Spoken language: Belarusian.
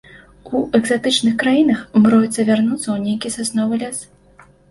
У экзатычных краінах мроіцца вярнуцца ў нейкі сасновы лес.